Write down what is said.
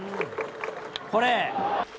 これ。